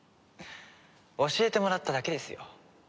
教えてもらっただけですよ。